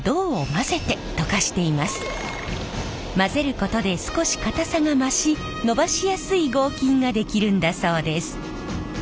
混ぜることで少し硬さが増しのばしやすい合金が出来るんだそうです。